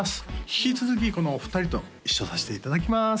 引き続きこのお二人と一緒させていただきます